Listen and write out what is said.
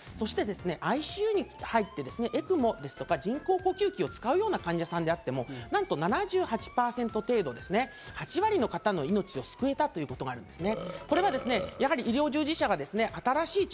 そしてＩＣＵに入って、ＥＣＭＯですとか人工呼吸器を使うような患者さんであっても、なんと７８％程度、８割の方の命を救えたということがあるんですね。